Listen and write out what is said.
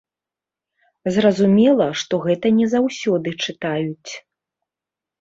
Зразумела, што гэта не заўсёды чытаюць.